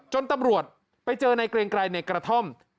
ตำรวจไปเจอในเกรงไกรในกระท่อม